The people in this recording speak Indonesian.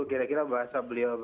kira kira bahasa beliau